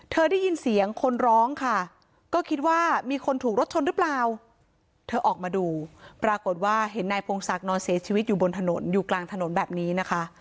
ได้ยินเสียงคนร้องค่ะก็คิดว่ามีคนถูกรถชนหรือเปล่าเธอออกมาดูปรากฏว่าเห็นนายพงศักดิ์นอนเสียชีวิตอยู่บนถนนอยู่กลางถนนแบบนี้นะคะ